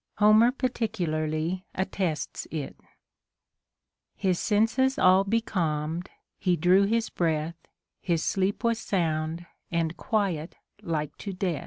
Homer % particularly attests it :— His senses all becalmed, he drew his breath, His sleep was sound, and quiet like to death.